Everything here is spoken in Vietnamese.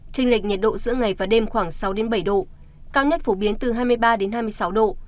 trình lệch nhiệt độ giữa ngày và đêm khoảng sáu bảy độ cao nhất phổ biến từ hai mươi ba hai mươi sáu độ